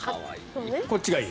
こっちがいい？